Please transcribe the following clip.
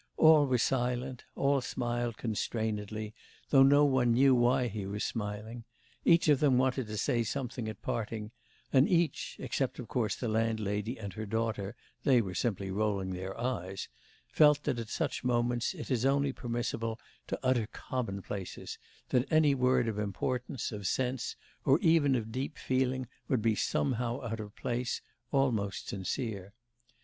All were silent; all smiled constrainedly, though no one knew why he was smiling; each of them wanted to say something at parting, and each (except, of course, the landlady and her daughter, they were simply rolling their eyes) felt that at such moments it is only permissible to utter common places, that any word of importance, of sense, or even of deep feeling, would be somehow out of place, almost insincere.